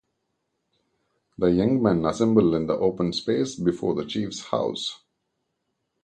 The young men assemble in the open space before the chief's house.